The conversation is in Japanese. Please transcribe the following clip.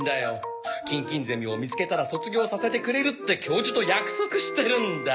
キンキンゼミを見つけたら卒業させてくれるって教授と約束してるんだ。